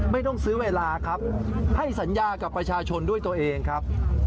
ไม่ต้องซื้อเวลาครับให้สัญญากับประชาชนด้วยตัวเองครับ